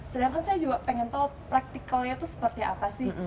sedangkan saya juga pengen tahu praktikalnya itu seperti apa sih